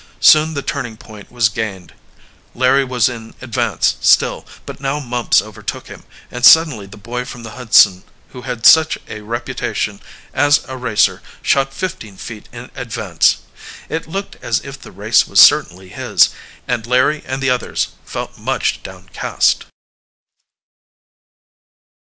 Soon the turning point was gained. Larry was in advance still, but now Mumps overtook him, and suddenly the boy from the Hudson who had such a reputation as a racer shot fifteen feet in advance. It looked as if the race was certainly his, and Larry and the others felt much downcast.